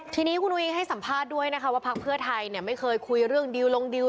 ทีนี้คุณอุ้งให้สัมภาษณ์ด้วยนะคะว่าพักเพื่อไทยไม่เคยคุยเรื่องดิวลงดิว